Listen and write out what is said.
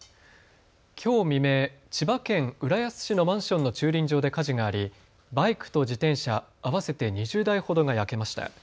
きょう未明、千葉県浦安市のマンションの駐輪場で火事がありバイクと自転車合わせて２０台ほどが焼けました。